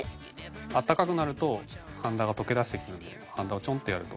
温かくなるとはんだが溶け出してくるんではんだをチョンってやると。